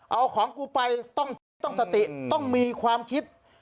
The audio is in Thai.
เอาของกูไปต้องคิดต้องสติต้องมีความคิด